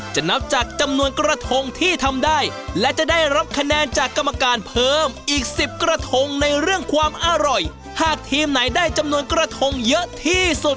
สนับจากจำนวนกระทงที่ทำได้